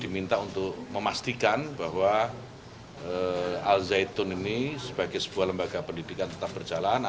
diminta untuk memastikan bahwa al zaitun ini sebagai sebuah lembaga pendidikan tetap berjalan